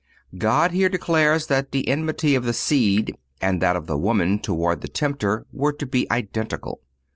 God here declares that the enmity of the Seed and that of the Woman toward the tempter were to be identical.